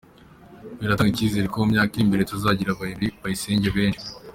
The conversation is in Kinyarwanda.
Biratanga icyizere ko mu myaka iri imbere tuzagira ba Emery Bayisenge benshi.